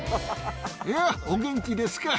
やあ、お元気ですか。